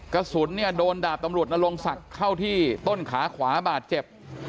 กระสุนเนี่ยโดนดาบตำรวจนรงศักดิ์เข้าที่ต้นขาขวาบาดเจ็บ